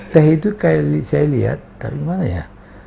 teh itu saya lihat tapi gimana ya